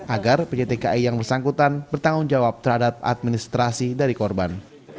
agar pjtki yang bersangkutan bertanggung jawab terhadap administrasi dari korban